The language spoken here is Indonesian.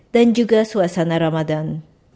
dan juga suasana ramadan